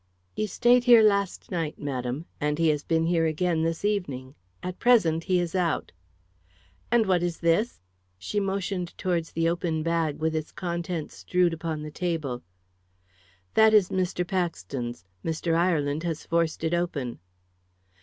"He stayed here last night, madam. And he has been here again this evening. At present, he is out." "And what is this?" She motioned towards the open bag, with its contents strewed upon the table. "That is Mr. Paxton's. Mr. Ireland has forced it open."